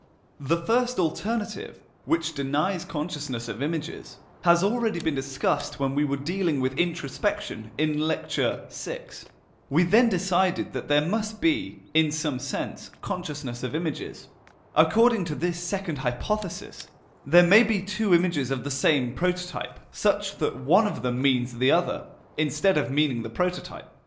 The first alternative, which denies consciousness of images, has already been discussed when we were dealing with Introspection in Lecture VI. We then decided that there must be, in some sense, consciousness of images. We are therefore left with the second suggested way of dealing with knowledge of images. According to this second hypothesis, there may be two images of the same prototype, such that one of them means the other, instead of meaning the prototype.